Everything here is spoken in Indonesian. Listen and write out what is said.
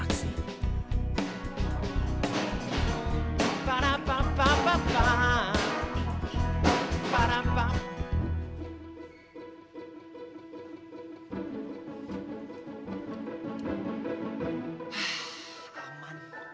gak bisa hidup tanpa kamu